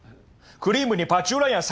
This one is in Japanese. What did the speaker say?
クリームにパッチューラーヤン